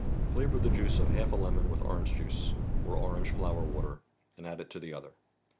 Flavor the juice of half a lemon with orange juice, or orange flower water, and add it to the other.